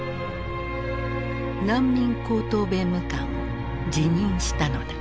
難民高等弁務官を辞任したのだ。